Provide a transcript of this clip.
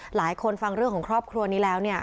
หลายคนฟังเรื่องของครอบครัวนี้แล้วเนี่ย